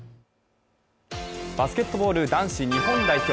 バスケットボール男子日本代表。